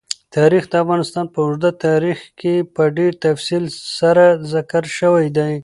تاریخ د افغانستان په اوږده تاریخ کې په ډېر تفصیل سره ذکر شوی دی.